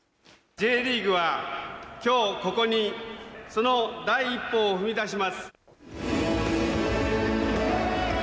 Ｊリーグはきょうここにその第一歩を踏み出します。